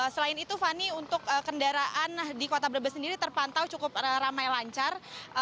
selain itu fani untuk kendaraan di kota brebes sendiri terpantau cukup ramai lancar